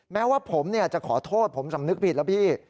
แม้ว่าผมจะขอโทษผมสำนึกผิดแล้วพี่